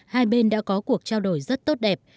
hai bên đã có cuộc trao đổi rất tốt đẹp